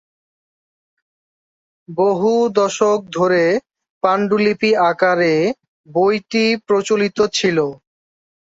বহু দশক ধরে পাণ্ডুলিপি আকারে বইটি প্রচলিত ছিল।